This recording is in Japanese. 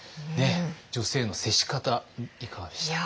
女性への接し方いかがでしたか？